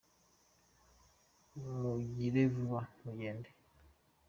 mugirevuba mugende.